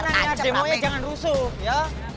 tapi tenang ya demo nya jangan rusuk ya